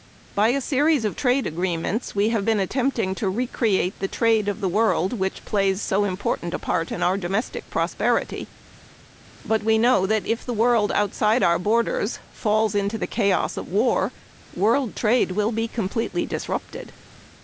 By a series of trade agreements, we have been attempting to recreate the trade of the world which plays so important a part in our domestic prosperity; but we know that if the world outside our borders falls into the chaos of war, world trade will be completely disrupted.